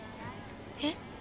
えっ？